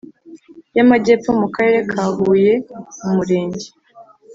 Y amajyepfo mu karere ka huye mu murenge